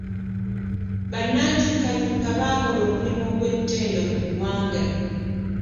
Bannankyukakyuka baakola omulimu ogw'ettendo mu ggwanga